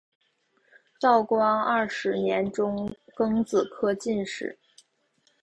道光二十年中庚子科进士。